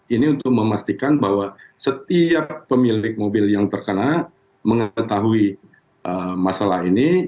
ini untuk memastikan bahwa setiap pemilik mobil yang terkena mengetahui masalah ini